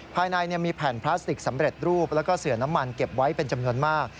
ภายในมีแผ่นพลาสติกสำเร็จรูปแล้วก็เสือน้ำมันเก็บไว้เป็นจำนวนมาก